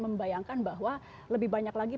membayangkan bahwa lebih banyak lagi